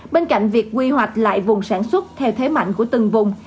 bên cạnh việc quy hoạch lại vùng sản xuất theo thế mạnh của từng vùng